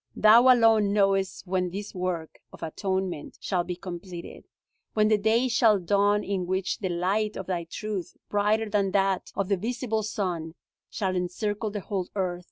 Thou alone knowest when this work of atonement shall be completed; when the day shall dawn in which the light of Thy truth, brighter than that of the visible sun, shall encircle the whole earth.